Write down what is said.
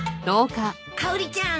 かおりちゃん